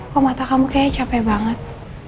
kok mata kamu kayaknya capek banget